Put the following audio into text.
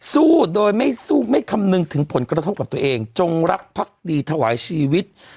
สู้โดยไม่สู้ไม่คำนึงถึงผลกระทบกับตัวเองจงรักพักดีถวายชีวิต